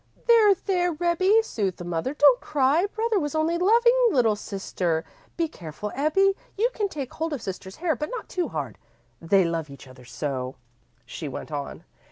"There, there, Rebbie," soothed the mother, "don't cry. Brother was only loving little sister. Be careful, Ebbie. You can take hold of sister's hair, but not too hard. They love each other so," she went on.